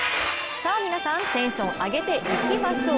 さあ、皆さんテンション上げていきましょう。